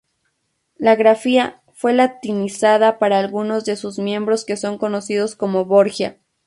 La grafía fue latinizada para algunos de sus miembros que son conocidos como Borgia.